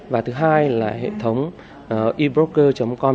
và thứ hai là hệ thống ebroker com in